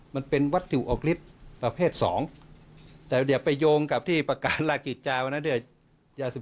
แล้วก็เป็นล็อตเดียวกันด้วยนะครับ